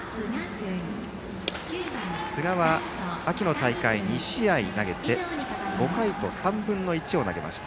寿賀は秋の大会で２試合投げて５回と３分の１を投げました。